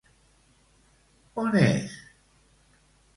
On és?